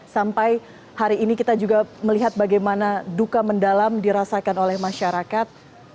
sampai hari ini kita juga melihat bagaimana duka mendalam dirasakan oleh masyarakat